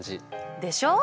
でしょう？